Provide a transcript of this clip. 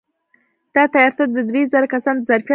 دا تیاتر د درې زره کسانو د ظرفیت لري.